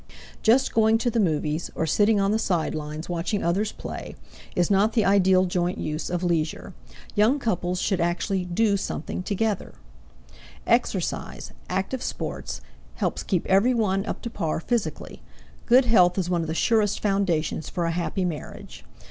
Just going to the movies, or sitting on the sidelines watching others play, is not the ideal joint use of leisure; young couples should actually do something together. Exercise active sports helps keep every one up to par physically; good health is one of the surest foundations for a happy marriage.